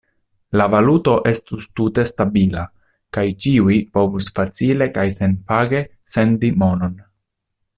La valuto estus tute stabila kaj ĉiuj povus facile kaj senpage sendi monon.